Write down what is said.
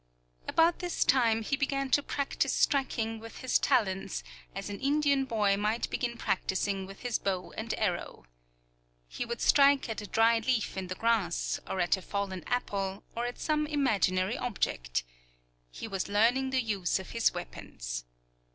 About this time he began to practice striking with his talons, as an Indian boy might begin practicing with his bow and arrow. He would strike at a dry leaf in the grass, or at a fallen apple, or at some imaginary object. He was learning the use of his weapons.